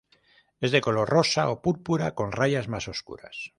Es de color rosa o púrpura con rayas más oscuras.